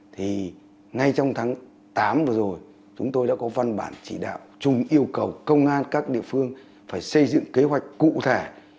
thì ngay trong tháng tám vừa rồi chúng tôi đã có văn bản chỉ đạo chung yêu cầu công an các địa phương phải xây dựng kế hoạch cụ thể